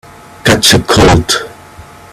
Catch a cold